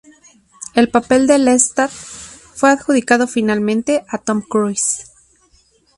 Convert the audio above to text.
El papel de Lestat fue adjudicado finalmente a Tom Cruise.